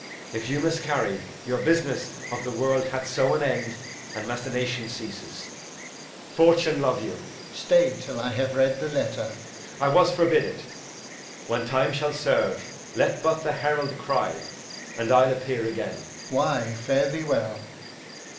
If you miscarry, Your business of the world hath so an end, And machination ceases. Fortune love you! Alb. Stay till I have read the letter. Edg. I was forbid it. When time shall serve, let but the herald cry, And I'll appear again. Alb. Why, fare thee well.